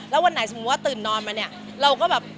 แล้ววันไหนสมมุติว่าตื่นนอนมาเนี่ยเราก็แบบ